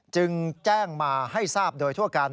จึงแจ้งมาให้ทราบโดยทั่วกัน